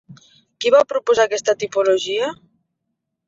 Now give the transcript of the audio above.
Qui va proposar aquesta tipologia?